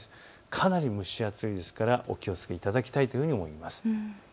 かなり蒸し暑いですからお気をつけいただきたいと思います。